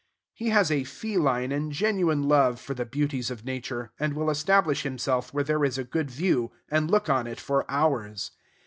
He has a feline and genuine love for the beauties of Nature, and will establish himself where there is a good view, and look on it for hours.